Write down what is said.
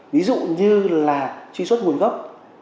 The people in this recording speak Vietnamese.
ví dụ như là truy xuất nguồn gốc